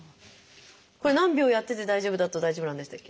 これ何秒やってて大丈夫だと大丈夫なんでしたっけ？